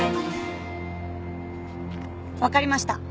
わかりました。